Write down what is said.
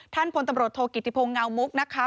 ท่านพลตำรวจโทรกิจทิพงเงามุกนะคะ